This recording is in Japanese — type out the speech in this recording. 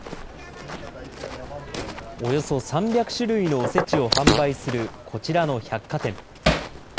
およそ３００種類のおせちを販売するこちらの百貨店。